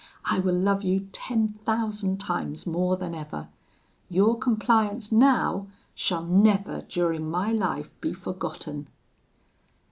I will love you ten thousand times more than ever: your compliance now shall never, during my life, be forgotten.'